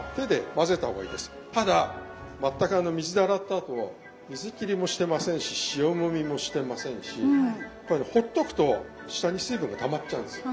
あと水切りもしてませんし塩もみもしてませんしこれねほっとくと下に水分がたまっちゃうんですよ。